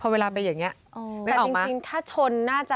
เวลาเป็นอย่างนี้ไม่ออกมาจริงถ้าชนน่าจะ